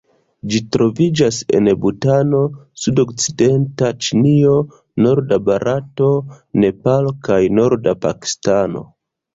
Ĝi troviĝas en Butano, sudokcidenta Ĉinio, norda Barato, Nepalo kaj norda Pakistano.